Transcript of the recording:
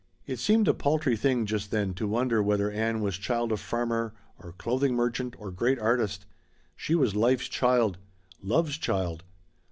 It seemed a paltry thing just then to wonder whether Ann was child of farmer, or clothing merchant, or great artist. She was Life's child. Love's child.